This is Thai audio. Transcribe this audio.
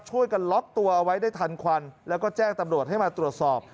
ช่วยกันล็อกตัวเอาไว้ได้ทันควันแล้วก็แจ้งตำรวจให้มาตรวจสอบ